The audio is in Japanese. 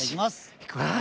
いくわ。